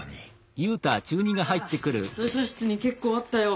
ああ図書室に結構あったよ